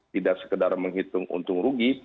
tidak sekedar menghitung untung rugi